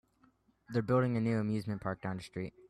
They're building a new amusement park down the street.